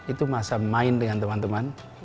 itu masa main dengan teman teman